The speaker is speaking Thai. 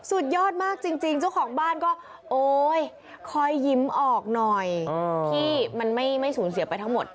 สุดยอดมากจริงเจ้าของบ้านก็โอ๊ยคอยยิ้มออกหน่อยที่มันไม่สูญเสียไปทั้งหมด